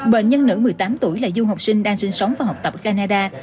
bệnh nhân nữ một mươi tám tuổi là du học sinh đang sinh sống và học tập ở canada